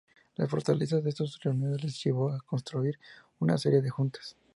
La fortaleza de estas uniones les llevó a constituir una serie de juntas.